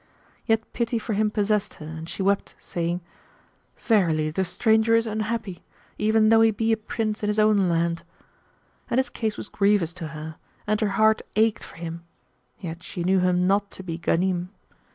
Yet pity for him possessed her and she wept saying, "Verily the stranger is unhappy, even though he be a prince in his own land!"; and his case was grievous to her and her heart ached for him, yet she knew him not to be Ghanim.